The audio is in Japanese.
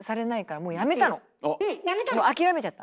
もう諦めちゃった。